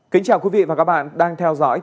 kính chào quý vị và các bạn đang theo dõi